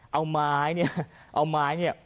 เอาไม้เนี่ย